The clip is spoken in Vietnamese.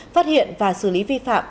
phát hiện và xử lý vi phạm